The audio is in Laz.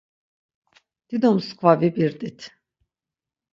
Dido msǩva vibirt̆it.